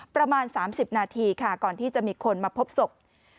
ประมาณ๓๐นาทีค่ะก่อนที่จะมีคนมาพบศพ